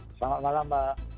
selamat malam mbak